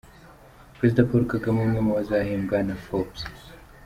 Perezida Paul Kagame, umwe mu bazahembwa na Forbes.